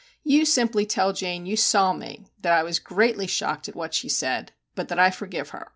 You simply tell Jane you saw me that I was greatly shocked at what she said, but that I forgive her.